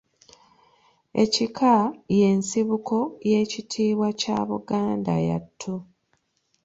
Ekika y’ensibuko y’ekitiibwa kya Buganda yattu.